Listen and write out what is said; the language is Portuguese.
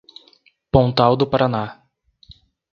Pontal do Paraná